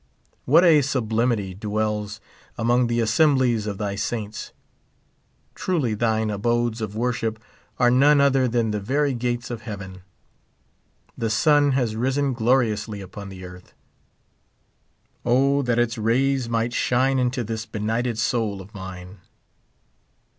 What a sublimity dwells among the assemblies of thy saints ! Truly thine abodes of worship are none other than the very gates of heaven; The sun has risen gloriously upon the earth. O that its rays might shine into this benighted soul of mine.